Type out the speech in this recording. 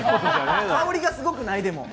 香りがすごくない？